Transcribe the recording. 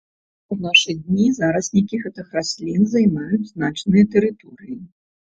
У нашы дні зараснікі гэтых раслін займаюць значныя тэрыторыі.